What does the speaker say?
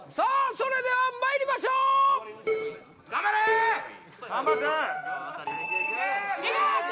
それではまいりましょういけ！